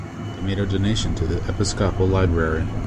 They made a donation to the Episcopal Library.